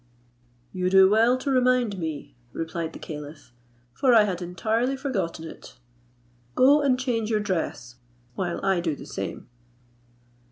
"You do well to remind me," replied the caliph, "for I had entirely forgotten it; go and change your dress, while I do the same."